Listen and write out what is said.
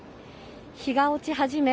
日が落ち始め